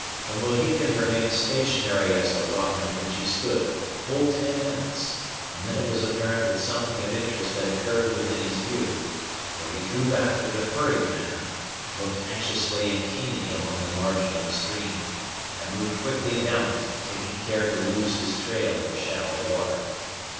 The Mohican remained stationary as the rock on which he stood full ten minutes; and then it was apparent that something of interest had occurred within his view, for he drew back with a hurried manner, looked anxiously and keenly along the margin of the stream, and moved quickly down it, taking care to lose his trail in the shallow water.